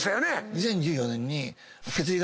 ２０１４年に。